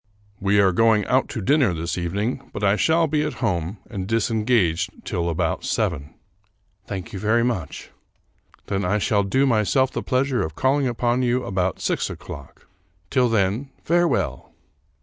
" We are going out to dinner this evening, but I shall be at home and disengaged till about seven." 300 The Minor Canon "Thank you very much. Then I shall do myself the pleasure of calling upon you about six o'clock. Till then, farewell